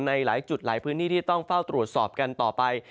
ในหลายจุดหลายพื้นที่ที่ต้องเฝ้าตรวจสอบกันต่อไป